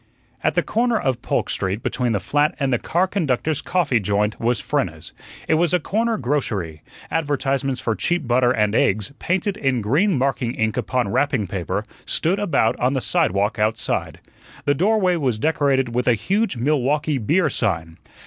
At the corner of Polk Street, between the flat and the car conductors' coffee joint, was Frenna's. It was a corner grocery; advertisements for cheap butter and eggs, painted in green marking ink upon wrapping paper, stood about on the sidewalk outside. The doorway was decorated with a huge Milwaukee beer sign.